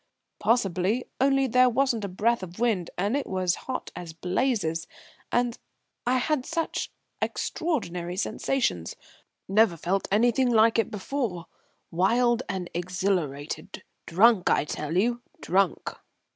"Possibly, only there wasn't a breath of wind, and it was hot as blazes and I had such extraordinary sensations never felt anything like it before wild and exhilarated drunk, I tell you, drunk."